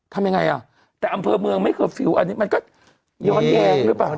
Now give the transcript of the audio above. ทำยังไงอ่ะแต่อำเภอเมืองไม่เข้าฟิลล์อันนี้มันก็ย้อนแยงไหมปะ